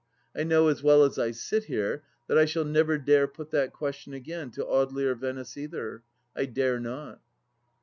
I know as well as I sit here that I shall never dare put that question again to Audely or Venice either. I dare not.